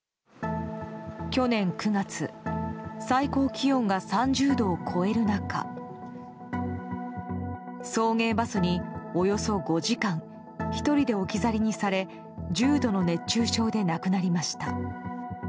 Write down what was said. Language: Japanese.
去年９月最高気温が３０度を超える中送迎バスに、およそ５時間１人で置き去りにされ重度の熱中症で亡くなりました。